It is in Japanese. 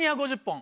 ２５０本。